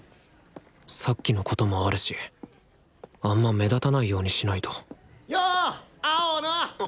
さっきのこともあるしあんま目立たないようにしないとよう青野！